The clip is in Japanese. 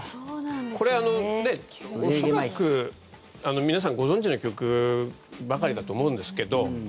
これ、恐らく皆さんご存じの曲ばかりだと思うんですけど